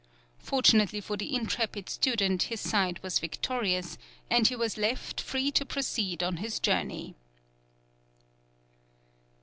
Fortunately for the intrepid student his side was victorious, and he was left free to proceed on his journey."